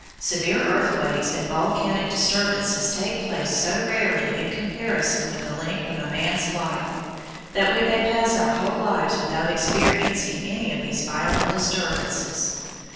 Severe earthquakes and volcanic disturbances take place so rarely in comparison with the length of a man's life, that we may pass our whole lives without experiencing any of these violent disturbances.